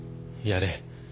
やれ。